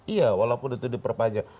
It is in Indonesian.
iya walaupun itu diperpanjang